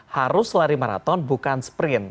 harus lari maraton bukan sprint